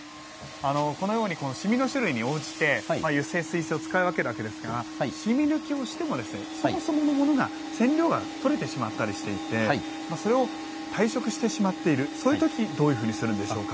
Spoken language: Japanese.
このように染みの種類に応じて油性水性を使い分けるわけですが染み抜きをしてもそもそものものが染料が取れてしまったりしていてそれを退色してしまっているそういう時どういうふうにするんでしょうか。